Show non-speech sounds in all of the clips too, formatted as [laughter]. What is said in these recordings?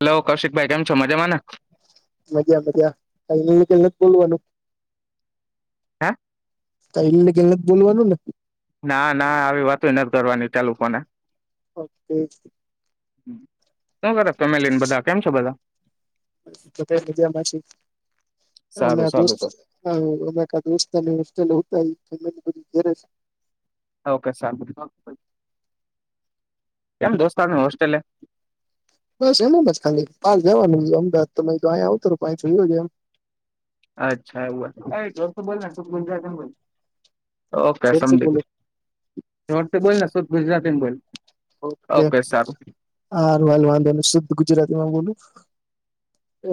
Hello કૌશિકભાઈ કેમ છો મજામાં ને મજ્યા બજ્યા ક બોલવાનું હા એમને કેલ બોલવાનું ને ના ના આવી વાતો નથી કરવાની ત લોકો કોને ઓકે [unintelligible] શું કર ફેમેલીને બધા કેમ છો બધા. તોતે બીધ્યામાંછી [unintelligible] અને સારું સારું તો આોસ્તોસ્ત [unintelligible] ફેમલી બધી ઘેર છે ઓકે સ [unintelligible] કેમ દોસ્ત આમ હોસ્ટેલે બસ એનેમ જ ખાલી કાલ જવાનું અમદાવાદ તો અહીયા આવતો રહુ કાંઈ જોઉં હોયે એમ અચ્છા એવું એ જોર થી બોલ ને સુ [unintelligible] ઓકે ઝેરથી સમજી બોલો ગીયો જોરથી બોલ ને શુદ્ધ ગુજરાતી મા બોલ. ઓકે હારું હાલ વાંધો નહીં શુદ્ધ ગુજરાતી માં બોલું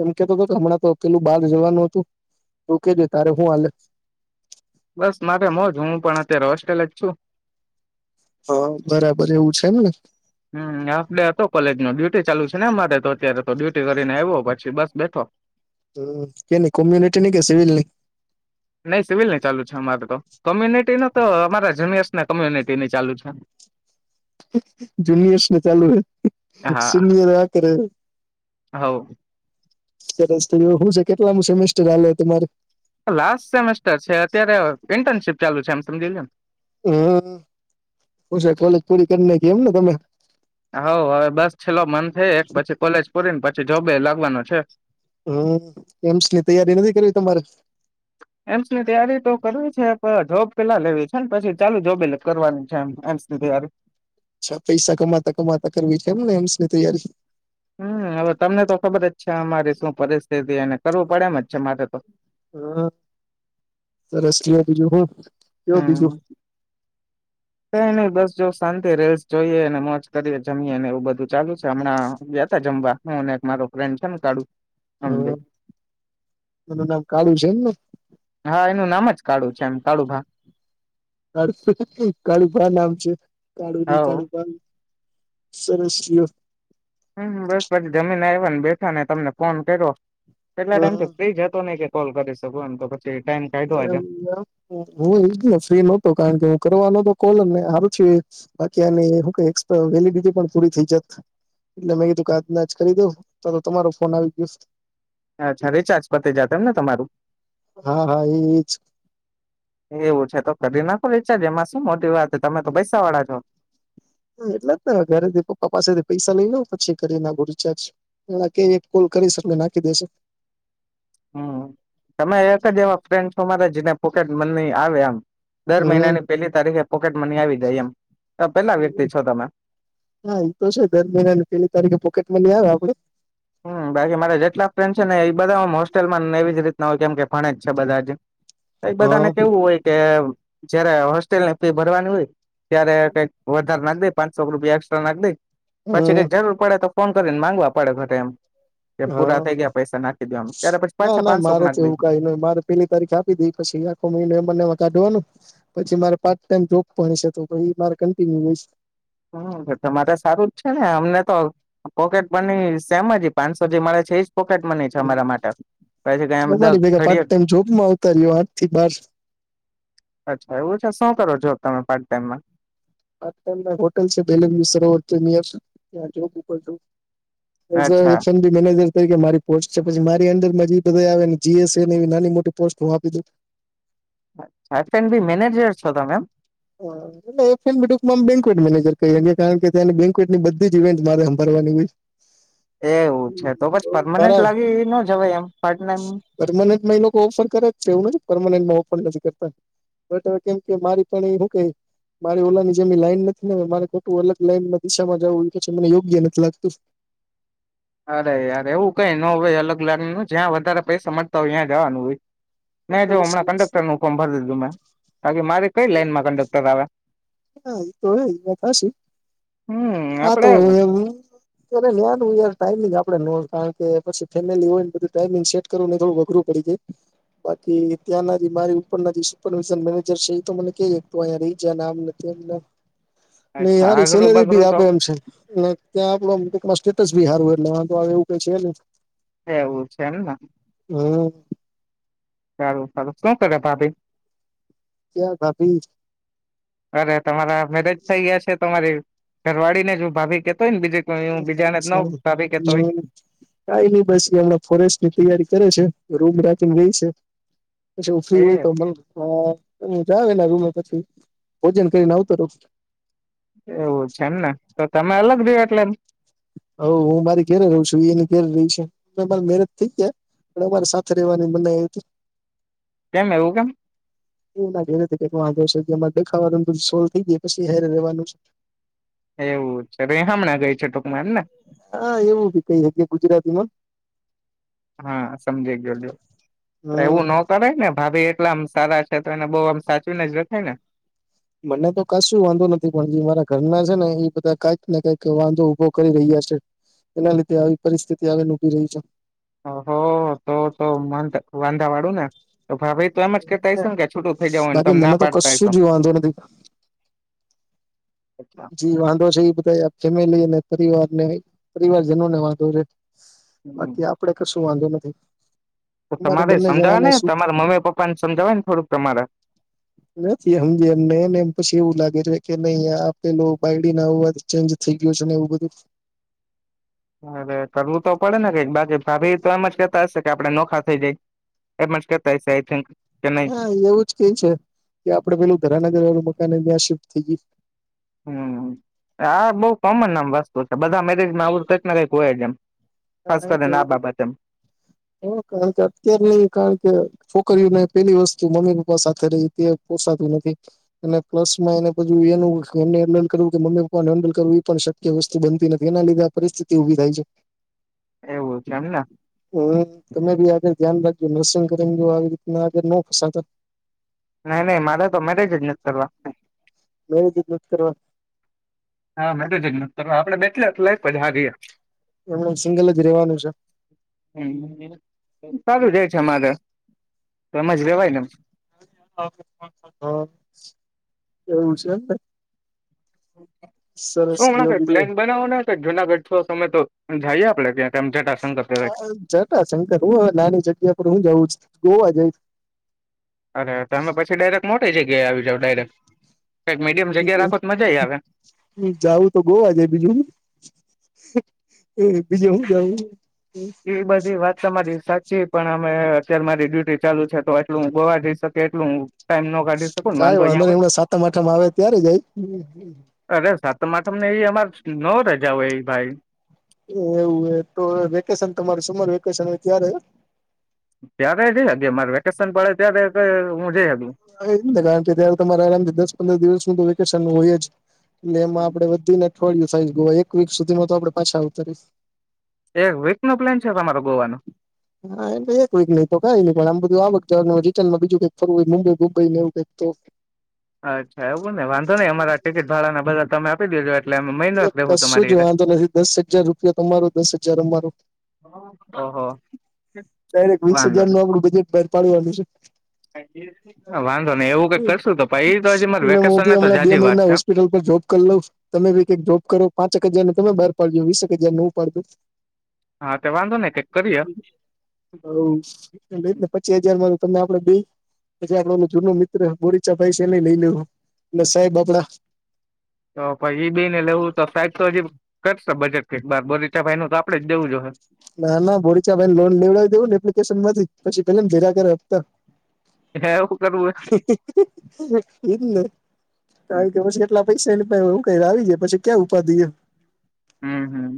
એમ કેતો હતો કે હમણાં તો પેલું બાર જવાનું હતું. કેજે તારે હું હાલે બસ મારે મોજ હું પણ અત્યારે હોસ્ટેલ જ છું. હા બરાબર એવું છે એમ ને હમ્મ હાફ ડે હતો કોલેજ નો ડ્યુટી ચાલુ છે ને અમારે અત્યારે તો ડ્યુટી કરીને આવો પછી બસ બેઠો. કે ની કોમ્યુનિટી ની કે સિવિલ ની નહી સિવિલ નહી ચાલુ છે અમારે તો. કોમ્યુનિટી ની તો અમારા જુનિયર્સ ને કોમ્યુનિટી ની ચાલુ છે. જુનિયર્સ ને ચાલુ હ સિનિયર આ કરે. હઉ ત્યારે હું છે કેટલામ સેમેસ્ટર હાલે તમારે. લાસ્ટ સેમેસ્ટર છે અત્યારે ઇન્ટર્નશીપ ચાલુ છે એમ સમજી લિયોને હમ્મ હુ છે કોલેજ પૂરી કરી નાઈખી એમ ને તમે. હા હવે બસ છેલ્લો મન થઈ એક પછી કોલેજ પૂરીને પછી જોબે લાગવાનો છે. હમ્મ એમ્સ ની તૈયારી નથી કરવી તમારે. એમ્સની તૈયારી તો કરવી છે. પર જોબ પેલા લેવી છે ને પછી ચાલુ જોબે કરવાની છે એમસ ની તૈયારી અચ્છા પૈસા કમાતા કમાતા કરવી છે એમને એમસની તૈયારી અચ્છા મારે શું પરિસ્થિતિ એને કરવું પડે એમ જ છે મારે તો હા સરસ કયો બીજું હું કેવું બીજું. હમ કઈ નહી બસ જો શાંતિ રેલ્સ જોઈએ અને મોજ કરીએ જમીએ ને એવું બધું ચાલુ છે હમણાં બેટા જમવા હું એક મારો ફ્રેન્ડ છે ને કાળુ. હા એનું નામ કાળું છે એમને હા એનું નામ જ કાળુ છે એમ કાળુ ભા. કળુ તો કે કાળુ ભા નામ છે કાળુની હવ કાળુભઈ - સરસ છી ઓ હમ્મ બસ પછી જમીન આવ્યાને બેઠા ને તમને ફોન કર્યો. કેટલા ટાઈમથી હમ. ફ્રી હતો નઈ કે કોલ કરી શકું એ હું ઈજ ને ફ્રી નોતો કારણ કે હું કરવાનોતો કોલ ને સારું છે બાકી હું એક્સપા વેલડીટી પણ પૂરી થઈ જત. એટલે મેં કીધું આજ ના આજ કરી દઉં તો તમારો ફોન આવી ગિયો અચ્છા રિચાર્જ પતી જાતે એમ ને તમારું હા હા ઈ ઈ ઈજ એવું છે તો કરી નાખો રિચાર્જ એમાં શું મોટી વાત તમે તો પેસા વાળા છો એટલે જ તો ધરે દેકો પપ્પા પાસેથી પૈસા લઈ લઉં પછી કરી નાખું રિચાર્જ કે એક કોલ કરીશ એટલે નાખી દેશે હમ્મ તમે એક જ એવા ફ્રેન્ડો છો મારા જેને પોકેટ મની આવે આમ દર હમ મહિનાની પેલી તારીખે પોકેટ મની આવી જાય એમ પેલા વ્યક્તિ છો તમે હા એ તો છે દર મહિના ની પેલી તારીખે પોકેટ મની આવે આપડી બધામ હોસ્ટેલમાંને એવી જ રીતના હોય કેમ કે ભણે જ છે બધા જ કંઈક બધા હા ને કેવું હોય કે જયારે હોસ્ટેલને ફી ભરવાની હોય ત્યારે કઈક વધારે નાખે પાંચસો રૂપિયા એક્સ્ટ્ર નાખ દે પછી હમ કઈક જરૂર પડે તો ફોન કરેને માંગવા પડે ઘરે એમ એ પૂરા હા થઈ ગયા પૈસા નાખી દો એમ ત્યારે પછી ના પાછા ના પાંચસો મારે તો નાખ દે એવું કઈ ન મારે પેલી તારીખ આપી દી પછી આખો મને એને એમાં કાઢવાનું પછી મારે પાર્ટ ટાઈમ જોબ ભણી છે તો એ મારે કન્ટિન્યુ હોય હમ તમારે સારું જ છે ને અમને તો પોકેટ બની સેમ જ પાંચસો જે મારે છે જ પોકટ મને છે અમારા માટે પછી કઈ દ અરી ભેગા પાર્ટ ઘડીએ ટાઈમ જોબમાં આવતા રહ્યો આઠ થી બાર અચ્છા એવું છે શું કરો છો તમે પાર્ટ ટાઈમમાં હોટલ છે બેલ સવર ત્યા જું એઝ અચ્છા એપશ બી મેનેજર કે મારી પોસ્ટ છે પછી મારી અંદર મ બધ આવે જીએસ એવી નાની મોટી પોસ્ટ હું આપી દું બી મેનેજર છો તમેમ મેર ક કારણ કે ત બેવેટની બધી જ ઇવેન્ટ મારે ની હો એવું છે તો પછી પરમાનન્ટ લાગી ન જવાય એમ પાર્ટ ટાઈમ પર્માનન્ટ લોકો ઓફર કરે જ છે એવું નથી પરમાનન્ટર નથીતા કેમ કે મારી પણ હું ક મારી ઓલાની જેમી લાઈન નથી ને મારે ખટું અલગ લાઈનમાં દિશામાં જું એ પછ મને યોગ્ય નથી લાગતું [inaudible] અરે યાર એવું કઈ ન હોવે અલગ લગન ન જ્યાં વધારે પૈસા મળતા હોય ત્યાં જવાનું હોય મેં એટલે જો હમણાં પછી કંડક્ટર નું ફોર્મ ભરી દીધું મેં બાકી મારી કઈ લાઈનમાં કંડક્ટર આવે હા એ તો હ થ હશે હમ હા તો આપડે એમ નું યાર ટાઈમિંગ આપડે ન કારણ કે પછી ફેમિલી હોય ને બધું ટાઈમિંગ સેટ કરવું ન થોડું વઘરું પડી જાય બાકી ત્યાંના જે મારી ઉપરના જે સુપરવિઝન મેનેજર છે એ તો મને કઈ શત અયા રહી જાય નામ નથી નહીં તાય અચ્છા હારી આગરું સેલરી બી બગરું આપ તો ત્યા સ્ટેટસી સારું એટ એવું ક છે એવું છે ને હમ્મ સારું સારું શું કરે ભાભી ક્યાં ભાભી અરે તમારા મેરેજ થઈ ગયા છે તમારી ઘરવાળી ને જો ભાભી કે અચ્છા હમ કેતો હોય. કઈ નઈ બસ એ એમણા ફોરેસ્ટ ની તૈયારી કરે છે રૂમ રાખીને રાય છે પછી એ ફ્રી હોય તો જ આવે એ ના રૂમે પછી ભોજન કરીને આવતો રઉ. એવું છે એમને તો તમે અલગ ર એટલે એમ હ હું મારી કઘેરે રહ છું એને કે રહી છે મેરેજ થઈ ગયા પણ અમારે સાથે રવાની મનાઈ આવ હતી કેમ એવું કેમ એ ના ઘેથી કક વાંધો છે જે દેખાવા સોલ્વ થઈ ગાય પછી હેરે રહેવાનું છે એવું છે હમણાં ગઈ છે ટૂંકમાં એમને હા એવું ભી કઈ ગુજરાતી માં હા સમજી ગયો એવું હમ ન કરાય ને ભાભી કેટલામ સારા છે, તો એને બહુ આમ સાચવીને જ રખાય ને મને તો કશું વાંધો નથી પણ જે મારા ઘરના છે, ને એ બધા કંઈક ને કંઈક વાંધો ઉભો કરી રહ્યા. એના લીધે આવી પરિસ્થિતિ આવી ઉભી રહી છે. હો તો તોમંત વાંધા વાળું ને તો ભા ભાભી તો એમ જ કેતા છે હશે ને કે છૂટું થઇ જવું ને તમે ના પાડતા હશો. કે [inaudible] [unintelligible] [inaudible] જી વાંધો છે, એ બધા ફેમિલી અને પરિવારને પરિવારજનો ને વાંધો છે. બાકી આપડે કશું વાંધો નથી. તો અમારે તમારે બંને સમજાવે જણાને ને સુ તમારા મમ્મી પપ્પા ને સમજાવે ને થોડુંક તમારે નથી એમ એમનેને એમ પછી એવું લાગે. કે નહી આપેલું બાઈડીન આવવાજ ચેન્જ થઈ ગયું છે ને એવું બધું અરે કરવું તો પડે ને કંઈક બાકી ભાભી તો એમ જ કેતા આપે નોખા થઈ જાય એતા થક [inaudible] હા એવું જ કે છે, કે આપડે પેલું ઘરાના ઘરેલું મકાન ત્યાં શિફ્ટ થઈ ગયું. હમ આ બહુ કોમનમ વસ્તુ છે, બધા મેરેજમાં આવું કંઈક ના કઈક હોય જ એમ. ખાસ કરીને આ બાબત એમ હ કારણ કે અત્યારે નઈ કારણ કે છોકરીઓ નહીં. પેલી વસ્તુ મમ્મી પપ્પા સાથે રહી તે પોસાતું નથી, અને પ્લસ માં એને પાછું એનું લોગ કરવું કે મમ્મી પપ્પાને ડર કરવું એ પણ શક્ય વસ્તુ બનતી નથી એના લીધે પરિસ્થિતિ ઉભી થાય છે. એવું છે એમને હમ તમે બી આગળ ધ્યાન રાખો. જો નર્સિંગ કરીને જો આવી રીતના આગ ન ફસાતા. નહીં નહીં મારે તો મેરેજ નથી કરવા. મેરેજ જ નથી કરવા. હા મેધું જજ્ઞત આપડે બેઠલા લઈ હા ગયા. એમને સિંગલ જ રેવાનું છે સારું જાય છે, અમારે એજ લેવાય ને એમ. [unintelligible] એવું છે. સરસ જો શુંણા પ્લેન બીજું બનાવો ના જુનાગઢ છો. સમય તો જઈએ આપે ત્યાં જ હું જટાશંકર હું હ નાની જગ્યા પર હું જાઉં છું ગોવા જઈશ. અરે તમે પછી ડાયરેક્ટ મોટી જગ્યાએ આવી જાવ ડાયરેક્ટ કાંઈક મીડિયમ જગ્યા રાખો તો મજા આવે. હ જવું તો ગોવા જાય બીજું બીજે હું જઉું. એ બધી વાત તમારી સાચી પણ અમે અત્યારે મારી ડ્યુટી ચાલુ છે, તો એટલું ગોવા જઈ શકે એટલું. ટાઈમ નો કાઢી શકું ને કંઈ વાંધો અહીંયા ન‌ઈને હોય. એમણા સાતમ આઠમ માં આવે ત્યારે જાય. તમારે તમને એ અમાર ન રજા હોય એ ભાઈ એવું હો તો વેકેશન તમારે સમર વેકેશન હોય ત્યારે ત્યારે જ્યારે ને મારે વેકેશન પડે ત્યારે હું જઈશ. એ જ ને કારણ કે ત્યારે તમારે આરામથી દસ પંદર દિવસ ન તો વેકેશન હોય જ. એટલે એમાં આપડે વધીને અઠવાળિયું થાય ગયું એક વીક સુધીમાં તો આપડે પાછા ઉતારીશ. એક વીક નો પ્લાન છે, તમારો ગોવાનો હા એટલે એક કોઈક નઈ તો ક નહી પણ આમ બધું આવક તનમાં બીજું કઈ ફરું હોય મુંબઈબઈ એવું કંઈક તો અચ્છા એવું ને વાંધો નઈ અમારા ટિકિટ ભાડાને બધા તમે આપી દેજો. એટલે અમે મહિનો રહેવું કશું જ તમારી એરે વાંધો નથી દસ હજાર રૂપિયા તમારો દસ હજાર અમારો ઓહો ડાયરેક વીસ વાંધો હજાર નું આપણું બજેટ બહાર પાડવાનું છે. વાંધો નહી એવું કંઈક કરશું તો એ તો હજી મા એટલે હું વેકેશન બી ને તો હમણાં બે જાજી વાત મહિના છે. હોસ્પિટલ પર જોબ કરી લાવ તમે બી કઈક જોબ કરો પાંચ હગ જાર ને તમે બહાર પાડજો વીસ હગ જાર નું પડજો હા તે વાંધો નઈ કઈક કરીએ ને પચી હજાર મારું તમે આપડે બે પછી આપડો જૂનો મિત્ર બરીચા ભાઈ છેને લઈ લેવ અને સાહેબ આપડા તો પછી એ બેને લેવું તો સાઈડ તો હજી કરશે બજેટ ફ બાર બોરી ના ના ભોળચા ભાઈ લોન લેવડાવી દેવ ને એપ્લિકેશન માંથી પછી પેલામ ધીરાકતા હે હા હા. હાએને હે કઈ કે પછી એટલા પૈસા ક આવી જાય પછી કે્યામ ઉપાધિ હમ હમ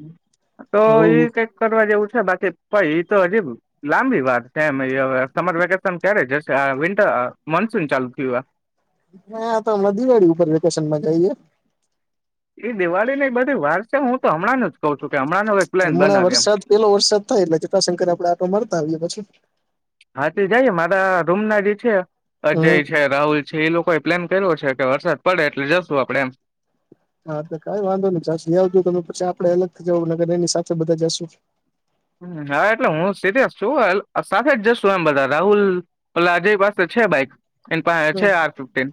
તો એ હવ કઈક કરવા જેવું છે બાકી પાઈ તો હજી લાંબી વાત છેમ સમર વેકેશન ક્યારે જશે વિન્ટર મોણસૂન ચાલુ થયું હ તો હમણાં દિવાળી ઉપર વેકેશનમાં જઈએ એ દિવાળી ને બધી વાર છે હું તો હમણાં ન કઉ છું કે હમણાં ન પ્લાન હમણાં બનાવી એમ વરસાદ પેલો વરસાદ થાય એટલે ચટાશંકર આપડે આટો મળરતા આવીએ પછી હા તે જઈએ મારા રૂમ ના જે છે અજય હમ છે રાહુલ છે એ લોકો પ્લેમ કરવ્યો છે કે વરસાદ પડે એટલે જશું આપડણે એમ હા તો કઈ વાંધો નશ આવજ તમે પછી આપડે અલગથી જવુંગર એની સાથે બધા જશુ હા એટલે હું સી છું સાથે જ જશ છું એમ બધા રાહુલ ઓજય પાસે છે બાઇકસે છે આર ફિફ્ટન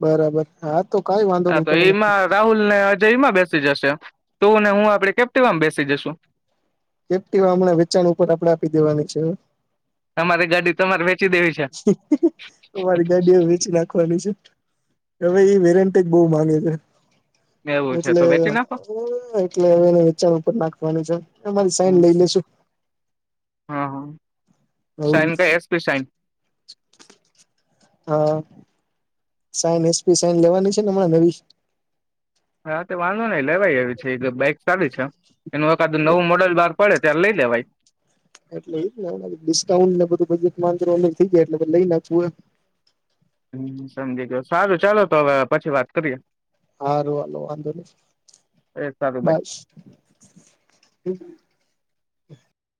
બરાબર હા તો કઈ વાંધો નહ તો મને જમાં બેસી જશે તુંને હું આપડે કેપ્ટમાં બેસી જશુ એકટીવા હમણાં વેચાણ ઉપર આપડે આપી દેવાની છે તમારે ગાડી તમારે વેચી દેવી છે વરગા ડેવેચલા હવે એ વેરેન્ટ બહુ માંગે છે એવુ એટલે એટલે હવેને વેચાણ ઉપર નાખવાનું છે અરી સાઈન લઈ લેશુ હા હા સાઇન કે એસપી શઇન હા સાઈન એસપી સાઈન લેવાની છે ને હમણાં નવી હા હા તો વાંધો નઈ લેવાય આવ છે એક બાઈક સારી છે એનું એક આદું નવું મોડલ બાર પડે ત્યારે લઈ લેવા ભાઈ એટલે ડિસ્કાઉન્ટ બધું બજેટ થઈ જાય એટલે લઈ નાખવું હોય હમ સમજી ગયો સારું ચાલો તો હવે પછી વાત કરીએ હા રોવાલો વાંધો નહી એ સારું બાય બસ